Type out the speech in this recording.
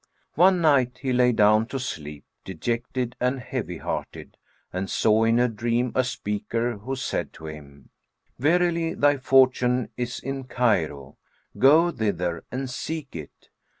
One night, he lay down to sleep, dejected and heavy hearted, and saw in a dream a Speaker[FN#425] who said to him, "Verily thy fortune is in Cairo; go thither and seek it."